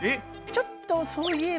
ちょっとそういえば。